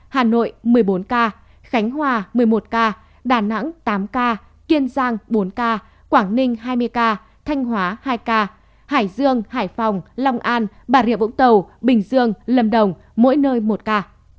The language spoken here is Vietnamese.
hà nội một mươi bốn ca khánh hòa một mươi một ca đà nẵng tám ca kiên giang bốn ca quảng ninh hai mươi ca thanh hóa hai ca hải dương hải phòng long an bà rịa vũng tàu bình dương lâm đồng mỗi nơi một ca